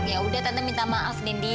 yaudah tante minta maaf nendi